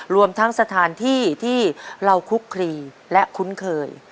รวมทั้งสถานที่ที่เราคุกคลีและคุ้นเคย